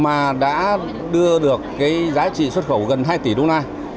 mà đã đưa được cái giá trị xuất khẩu gần hai tỷ đô la